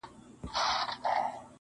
د حیا ډکه مُسکا دي پاروي رنګین خیالونه-